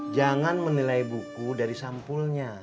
jangan menilai buku dari sampulnya